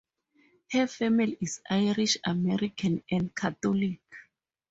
Her family is Irish American and Catholic.